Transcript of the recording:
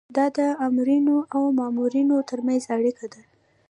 دا د آمرینو او مامورینو ترمنځ اړیکه ده.